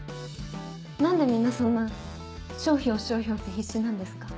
何でみんなそんな「商標商標」って必死なんですか？